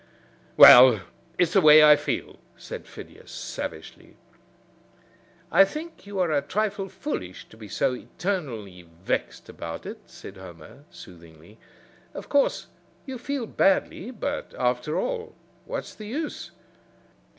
"Well, it's the way I feel," said Phidias, savagely. "I think you are a trifle foolish to be so eternally vexed about it," said Homer, soothingly. "Of course you feel badly, but, after all, what's the use?